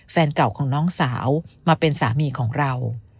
แฟนเก่าของน้องสาวมาเป็นสามีของเรา